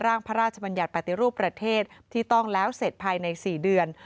พระราชบัญญัติปฏิรูปประเทศที่ต้องแล้วเสร็จภายใน๔เดือน